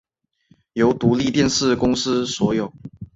由独立电视公司所有。